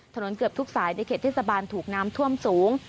เกือบทุกสายในเขตเทศบาลถูกน้ำท่วมสูง